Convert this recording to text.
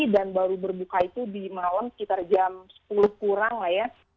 dan baru berbuka itu di malam sekitar jam sepuluh kurang lah ya